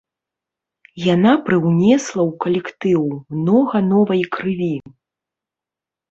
Яна прыўнесла ў калектыў многа новай крыві.